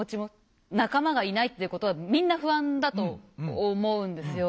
仲間がいないっていうことはみんな不安だと思うんですよ。